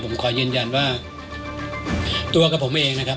ผมขอยืนยันว่าตัวกับผมเองนะครับ